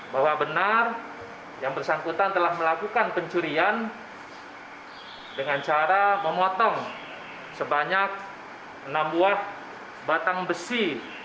bahwa benar yang bersangkutan telah melakukan pencurian dengan cara memotong sebanyak enam buah batang besi